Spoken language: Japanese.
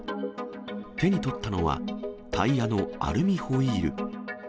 手に取ったのはタイヤのアルミホイール。